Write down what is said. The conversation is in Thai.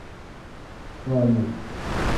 รออยู่